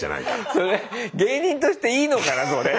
それ芸人としていいのかなそれ。